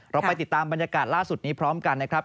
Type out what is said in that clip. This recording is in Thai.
เราไปติดตามบรรยากาศล่าสุดนี้พร้อมกันนะครับ